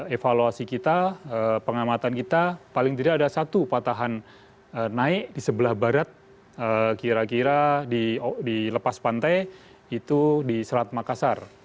evaluasi kita pengamatan kita paling tidak ada satu patahan naik di sebelah barat kira kira di lepas pantai itu di selat makassar